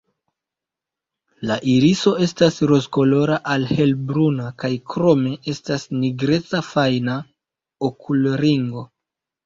La iriso estas rozkolora al helbruna kaj krome estas nigreca fajna okulringo.